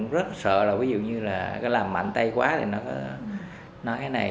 rất sợ là ví dụ như là làm mạnh tay quá thì nó có nói cái này